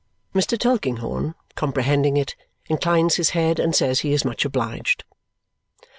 Mr. Tulkinghorn, comprehending it, inclines his head and says he is much obliged.